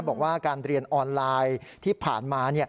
บอกว่าการเรียนออนไลน์ที่ผ่านมา